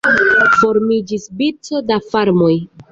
Formiĝis vico da farmoj.